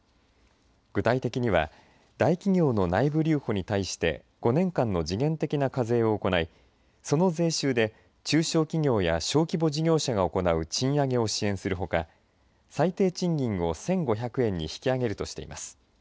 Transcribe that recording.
具体的には大企業の内部保留に対して５年間の時限的な課税を行いその税収で中小企業や小規模事業者が行う賃上げを支援するほか最低賃金を１５００円に引き上げるとしています。